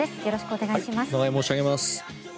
お願い申し上げます。